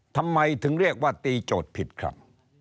ทำไมถึงเรียกว่าตีโจทย์ผิดครับ